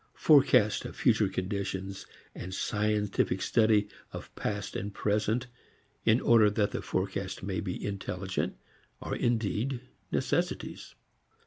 Forecast of future conditions, scientific study of past and present in order that the forecast may be intelligent, are indeed necessities.